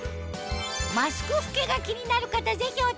マスク老けが気になる方ぜひお試しを！